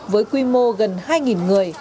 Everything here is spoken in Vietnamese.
với quy mô gần hai người